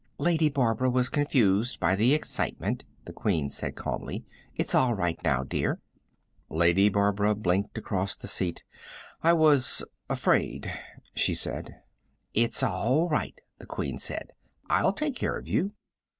"Lady Barbara was confused by the excitement," the Queen said calmly. "It's all right now, dear." Lady Barbara blinked across the seat. "I was afraid," she said. "It's all right," the Queen said. "I'll take care of you."